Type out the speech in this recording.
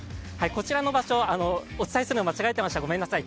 こちらの場所、お伝えするのを間違えてました、ごめんなさい。